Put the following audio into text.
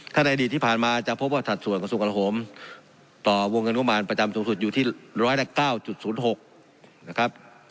ขณะอดีตที่ผ่านมาจะพบว่าสัดส่วนกับสูงกระโหมต่อวงเงินโรงพยาบาลประจำสูงสุดอยู่ที่๑๐๙๐๖นะครับ